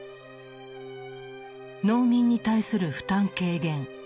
農民に対する負担軽減